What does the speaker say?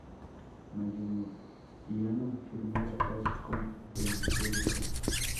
Mayoriano firmó la paz con Genserico.